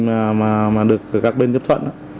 mà được các bên chấp thuận